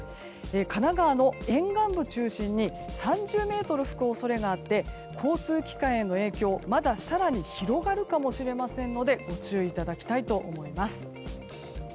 神奈川の沿岸部中心に３０メートル吹く恐れがあって交通機関への影響、まだ更に広がるかもしれませんのでご注意いただきたいと思います。